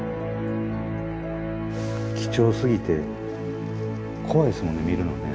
貴重すぎて怖いですもんね見るのね。